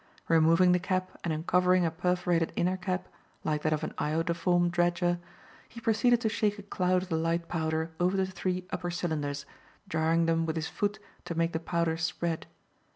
Removing the cap and uncovering a perforated inner cap, like that of an iodoform dredger, he proceeded to shake a cloud of the light powder over the three upper cylinders, jarring them with his foot to make the powder spread.